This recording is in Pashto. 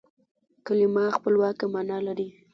کلیمه خپلواکه مانا لري.